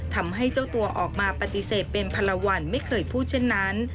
ทำให้เจ้าตัวออกมาปฏิเสธเป็นพันละวันไม่เคยพูดเช่นนั้น